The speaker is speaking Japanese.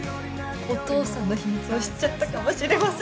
お父さんの秘密を知っちゃったかもしれません！